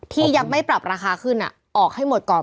ที่ยังไม่ปรับราคาขึ้นออกให้หมดก่อน